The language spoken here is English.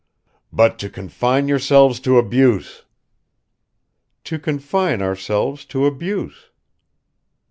"But to confine yourselves to abuse." "To confine ourselves to abuse."